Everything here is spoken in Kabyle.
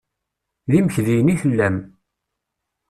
D imekdiyen i tellam.